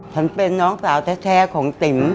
ฉันเป็นน้องสาวแท้ของติ๋ม